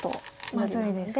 まずいですか。